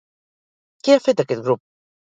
Què ha fet aquest grup?